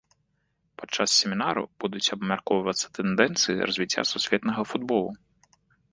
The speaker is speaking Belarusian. Падчас семінару будуць абмяркоўвацца тэндэнцыі развіцця сусветнага футболу.